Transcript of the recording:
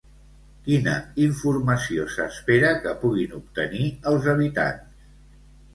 Quina informació s'espera que puguin obtenir els habitants?